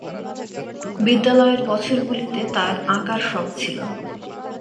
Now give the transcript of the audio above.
বিদ্যালয়ের বছরগুলিতে তার আঁকার শখ ছিল।